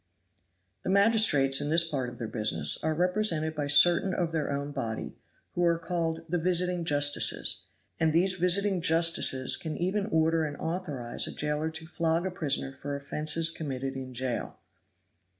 The magistrates, in this part of their business, are represented by certain of their own body, who are called "the visiting justices;" and these visiting justices can even order and authorize a jailer to flog a prisoner for offenses committed in jail.